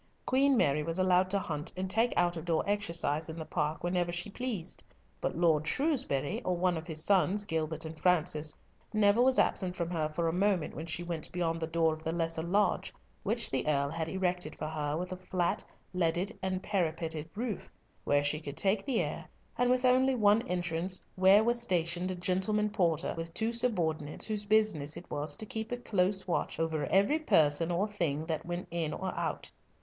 Queen Mary was allowed to hunt and take out of door exercise in the park whenever she pleased, but Lord Shrewsbury, or one of his sons, Gilbert and Francis, never was absent from her for a moment when she went beyond the door of the lesser lodge, which the Earl had erected for her, with a flat, leaded, and parapeted roof, where she could take the air, and with only one entrance, where was stationed a "gentleman porter," with two subordinates, whose business it was to keep a close watch over every person or thing that went in or out.